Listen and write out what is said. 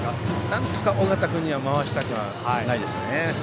なんとか緒方君には回したくはないですよね。